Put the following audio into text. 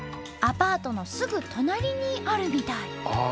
アパートのすぐ隣にあるみたい。